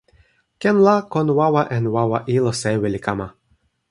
ken la kon wawa en wawa ilo sewi li kama.